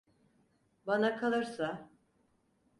Bana kalırsa…